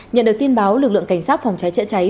nhận được tin báo lực lượng cảnh sát phòng cháy chữa cháy